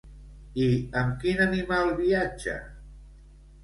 I amb quin animal viatja?